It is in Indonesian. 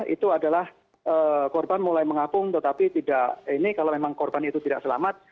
itu adalah korban mulai mengapung tetapi tidak ini kalau memang korban itu tidak selamat